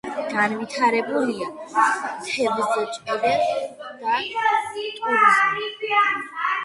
განვითარებულია თევზჭერა და ტურიზმი.